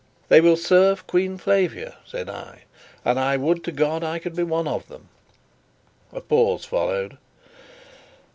"They will serve Queen Flavia," said I, "and I would to God I could be one of them." A pause followed.